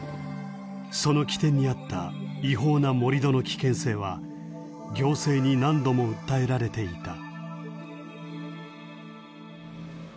その起点にあった違法な盛り土の危険性は行政に何度も訴えられていた。